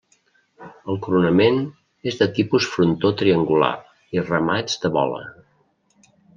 El coronament és de tipus frontó triangular i remats de bola.